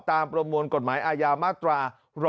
ประมวลกฎหมายอาญามาตรา๑๕